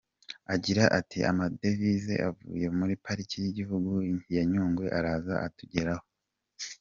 Agira ati “Amadevise avuye muri Pariki y’igihugu ya Nyungwe araza akatugeraho.